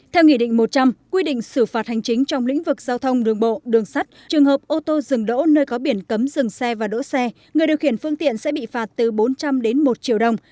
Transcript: theo nghị định một trăm linh quy định xử phạt hành chính trong lĩnh vực giao thông đường bộ đường sắt trường hợp ô tô dừng đỗ nơi có biển cấm dừng xe và đỗ xe người điều khiển phương tiện sẽ bị phạt từ bốn trăm linh đến một triệu đồng